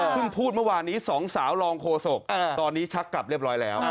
พูดเมื่อวานนี้สองสาวรองโฆษกตอนนี้ชักกลับเรียบร้อยแล้ว